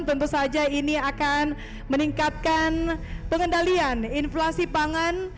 tentu saja ini akan meningkatkan pengendalian inflasi pangan